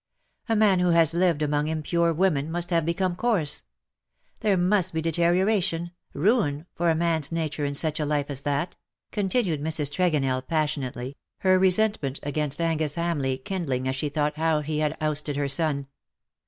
A man who has lived among impure women must have become coarse ; there must be deterioration, ruin, for a man^s nature in such a life as that,^' continued Mrs. Tregonell, passionately, her resentment against Angus Hamleigh kindling as she thought how he had ousted her son.